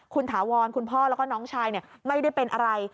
คุณถาวรคุณพ่อแล้วก็น้องชายไม่ได้เป็นอะไร